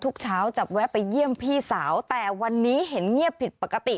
ทุกเช้าจะแวะไปเยี่ยมพี่สาวแต่วันนี้เห็นเงียบผิดปกติ